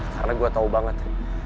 karena gue tau banget